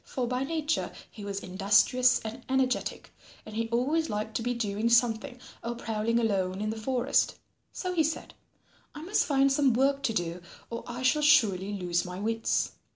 For by nature he was industrious and energetic and he always liked to be doing something or prowling alone in the forest. So he said, "I must find some work to do or I shall surely lose my wits.